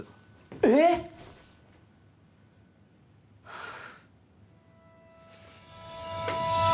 えっ！？はあ。